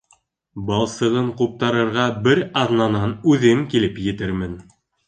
Балсығын ҡуптарырға бер аҙнанан үҙем килеп етермен.